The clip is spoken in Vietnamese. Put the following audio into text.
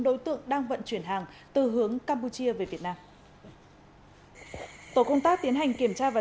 đối tượng đang vận chuyển hàng từ hướng campuchia về việt nam tổ công tác tiến hành kiểm tra và